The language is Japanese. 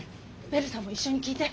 ベルさんも一緒に聞いて。